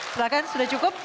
silahkan sudah cukup